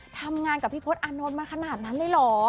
ทำงานกับพี่พศอานนท์มาขนาดนั้นเลยเหรอ